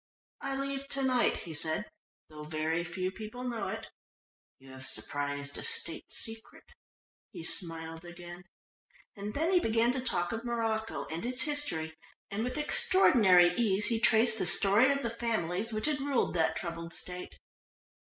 "I leave to night," he said, "though very few people know it. You have surprised a State secret," he smiled again. And then he began to talk of Morocco and its history, and with extraordinary ease he traced the story of the families which had ruled that troubled State.